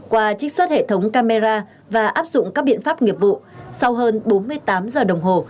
qua trích xuất hệ thống camera và áp dụng các biện pháp nghiệp vụ sau hơn bốn mươi tám giờ đồng hồ